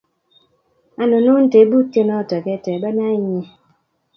Anonon tebutie noto ketebena inye?